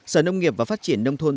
sở nông nghiệp và phát triển nông thôn